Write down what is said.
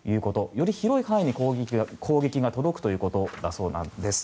より広い範囲に攻撃が届くということなんだそうです。